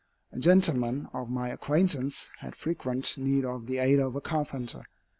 A gentleman of my acquaintance had frequent need of the aid of a carpenter.